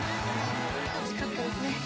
惜しかったですね。